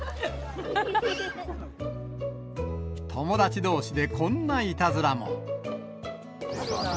友達どうしでこんないたずらも。